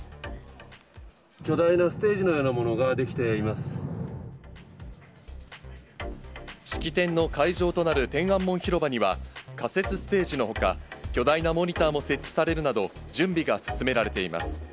巨大なステージのようなもの式典の会場となる天安門広場には、仮設ステージのほか、巨大なモニターも設置されるなど、準備が進められています。